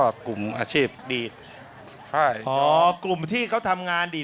ไปดูนะคะไปดูหน่อยล้อนนี้สิ่งใหญ่ของตัวเรา